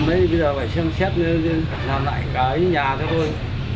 thì bây giờ phải xem xét làm lại cái nhà thôi